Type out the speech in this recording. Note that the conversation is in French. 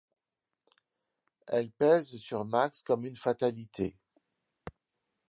Elle pèse sur Max comme une fatalité.